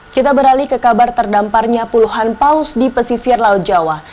kita beralih ke kabar terdamparnya puluhan paus di pesisir laut jawa